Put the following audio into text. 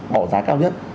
bỏ giá cao nhất